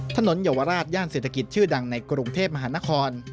เยาวราชย่านเศรษฐกิจชื่อดังในกรุงเทพมหานคร